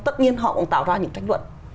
tất nhiên họ cũng tạo ra những tranh luận